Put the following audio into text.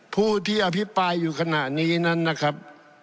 ผู้ที่อภิปรายอยู่ขณะนี้นั้นนะครับ